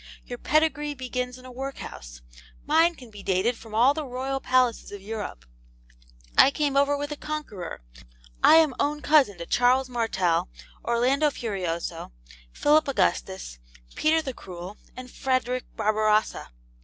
Your pedigree begins in a workhouse; mine can be dated from all the royal palaces of Europe. I came over with the Conqueror; I am own cousin to Charles Martel, Orlando Furioso, Philip Augustus, Peter the Cruel, and Frederick Barbarossa.